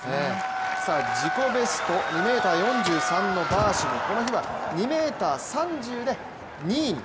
自己ベスト２ｍ４３のバーシムこの日は２ｍ３０で２位。